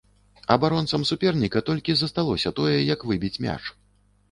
Абаронцам суперніка толькі і засталося тое, як выбіць мяч.